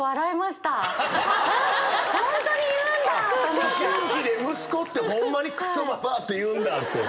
思春期で息子ってホンマに「クソババァ」って言うんだって。